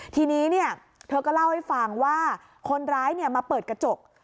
ทีนี้เธอก็เล่าให้ฟังว่าคนร้ายมาเปิดกระจก